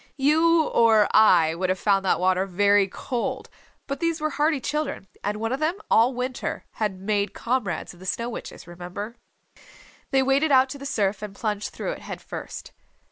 You or I would have found that water very cold, but these were hardy children; and one of them all winter had made comrades of the Snow Witches, remember. They waded out to the surf and plunged through it, head first.